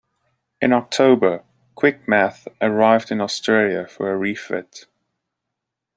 In October, "Quickmatch" arrived in Australia for a refit.